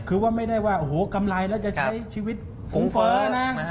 คือว่าไม่ได้ว่าโอ้โหกำไรแล้วจะใช้ชีวิตฟงเฟ้อนะ